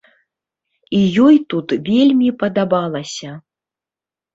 І ёй тут вельмі падабалася.